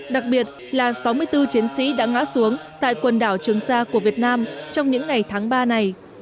đặc biệt là sáu mươi bốn chiến sĩ đã ngã xuống tại quần đảo trường sa của việt nam trong những ngày tháng ba này